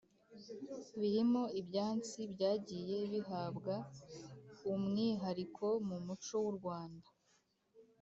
birimo ibyansi byagiye bihabwa umwihariko mu muco w’u Rwanda.